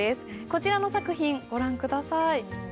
こちらの作品ご覧下さい。